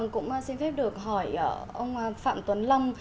cũng xin phép được hỏi ông phạm tuấn long